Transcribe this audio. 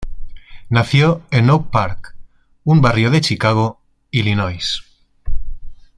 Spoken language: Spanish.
Nació en Oak Park, un barrio de Chicago, Illinois.